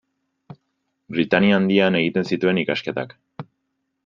Britainia Handian egin zituen ikasketak.